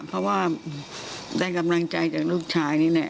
เพราะว่าได้กำลังใจจากลูกชายนี่แหละ